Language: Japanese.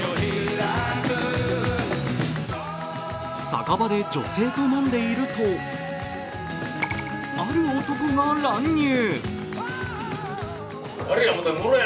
酒場で女性と飲んでいるとある男が乱入。